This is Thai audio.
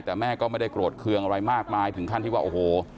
แต่แม่ก็ไม่ได้โกรธเครื่องอะไรมากมายถึงขั้นที่ว่าโอ้โห